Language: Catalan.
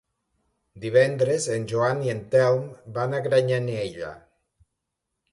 Divendres en Joan i en Telm van a Granyanella.